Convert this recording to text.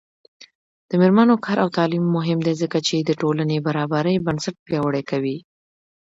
د میرمنو کار او تعلیم مهم دی ځکه چې ټولنې برابرۍ بنسټ پیاوړی کوي.